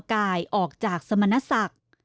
ทรัมกายออกจากสมณสัก